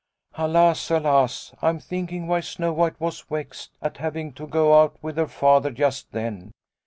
" Alas, alas ! I am thinking why Snow White was vexed at having to go out with her Father just then.